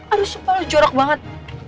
aduh sumpah lo jorok banget